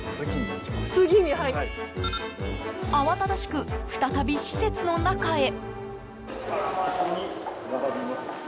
慌ただしく、再び施設の中へ。